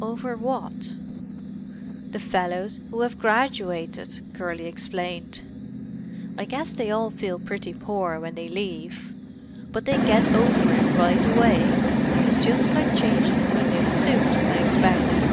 "'Over what?' "'The fellows who have graduated,' Curly explained. 'I guess they all feel pretty poor when they leave, but they get over it right away. It's just like changing into a new suit, I expect.'